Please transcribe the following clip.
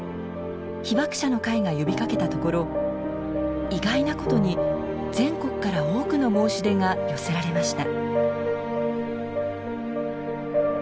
被爆者の会が呼びかけたところ意外なことに全国から多くの申し出が寄せられました。